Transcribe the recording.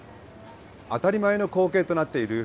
当たり前の光景となっている